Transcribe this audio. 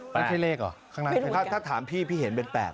ไม่ใช่เลขหรอถ้าถามพี่พี่เห็นเป็น๘